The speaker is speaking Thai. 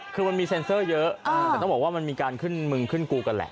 คือมันมีเซ็นเซอร์เยอะแต่ต้องบอกว่ามันมีการขึ้นมึงขึ้นกูกันแหละ